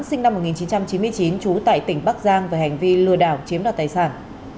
sinh năm một nghìn chín trăm chín mươi chín trú tại tỉnh bắc giang về hành vi lừa đảo chiếm đoạt tài sản